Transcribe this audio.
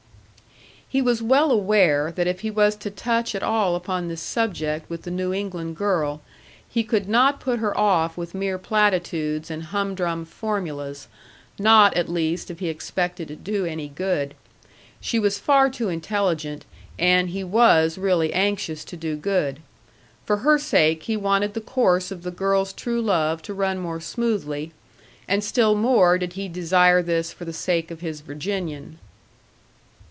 He was well aware that if he was to touch at all upon this subject with the New England girl, he could not put her off with mere platitudes and humdrum formulas; not, at least, if he expected to do any good. She was far too intelligent, and he was really anxious to do good. For her sake he wanted the course of the girl's true love to run more smoothly, and still more did he desire this for the sake of his Virginian.